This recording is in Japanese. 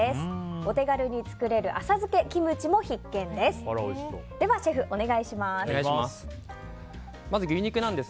お手軽に作れる浅漬けキムチも必見です。